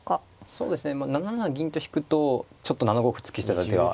そうですね７七銀と引くとちょっと７五歩突き捨てた手が